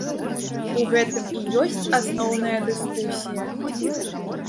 У гэтым і ёсць асноўная дыскусія.